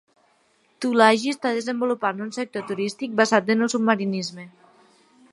Tulagi està desenvolupant un sector turístic basat en el submarinisme.